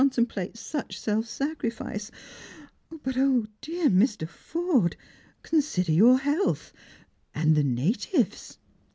137 template such self sacrifice. But, 0, dear Mr. Forde, consider your hcsiltli, — and the natives."